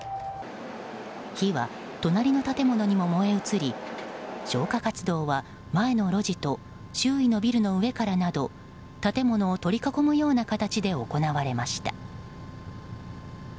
火は隣の建物にも燃え移り消火活動は、前の路地と周囲のビルの上からなど建物を取り囲むような形で行われました。